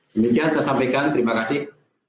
demikian saya sampaikan terima kasih